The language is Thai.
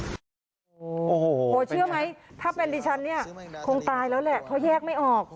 โอ้โหเชื่อไหมถ้าเป็นดิฉันเนี่ยคงตายแล้วแหละเพราะแยกไม่ออก